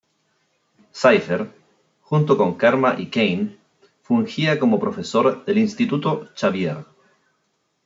Cypher, junto con Karma y Kane, fungía como profesor del Instituto Xavier.